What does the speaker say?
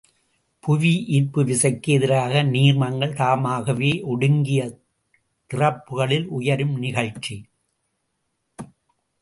புவிஈர்ப்பு விசைக்கு எதிராக நீர்மங்கள் தாமாகவே ஒடுங்கிய திறப்புகளில் உயரும் நிகழ்ச்சி.